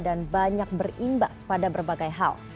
banyak berimbas pada berbagai hal